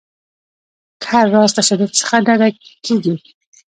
له هر راز تشدد څخه ډډه کیږي.